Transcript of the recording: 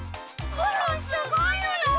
コロンすごいのだ！